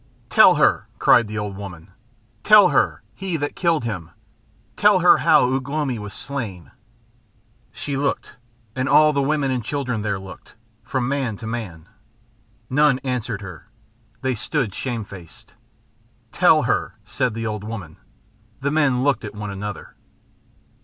"Tell her," cried the old woman. "Tell her he that killed him. Tell her how Ugh lomi was slain." She looked, and all the women and children there looked, from man to man. None answered her. They stood shame faced. "Tell her," said the old woman. The men looked at one another.